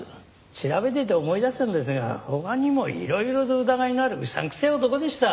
調べてて思い出したんですが他にもいろいろと疑いのあるうさんくさい男でした。